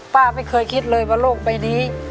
ป้าไม่เคยคิดเลยว่าโลกใบนี้